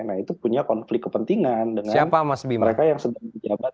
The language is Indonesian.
nah itu punya konflik kepentingan dengan mereka yang sedang menjabat